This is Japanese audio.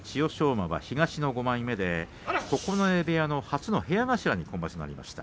馬は東の５枚目九重部屋の部屋頭に今場所なりました。